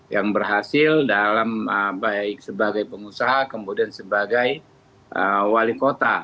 yang berhasil dalam baik sebagai pengusaha kemudian sebagai wali kota